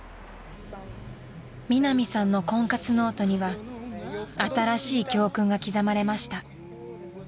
［ミナミさんの婚活ノートには新しい教訓が刻まれました］